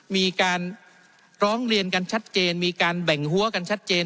มีการร้องเรียนกันชัดเจนมีการแบ่งหัวกันชัดเจน